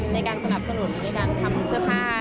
ในการสนับสนุนในการทำเสื้อผ้า